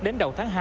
đến đầu tháng hai